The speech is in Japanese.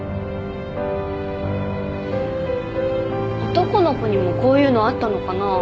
男の子にもこういうのあったのかな。